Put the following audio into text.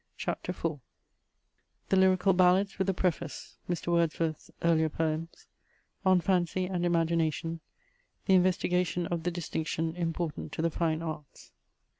CHAPTER IV The Lyrical Ballads with the Preface Mr. Wordsworth's earlier poems On fancy and imagination The investigation of the distinction important to the Fine Arts.